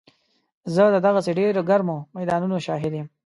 زه د دغسې ډېرو ګرمو میدانونو شاهد یم.